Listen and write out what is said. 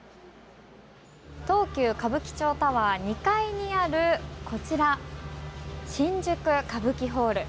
東急歌舞伎町タワー２階にあるこちら、新宿カブキｈａｌｌ。